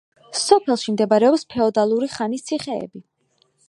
სოფელში მდებარეობს ფეოდალური ხანის ციხეები.